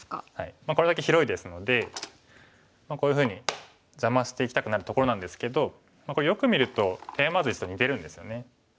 これだけ広いですのでこういうふうに邪魔していきたくなるところなんですけどこれよく見るとテーマ図１と似てるんですよね。